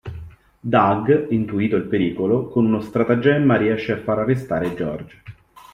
Doug, intuito il pericolo, con uno stratagemma riesce a far arrestare George.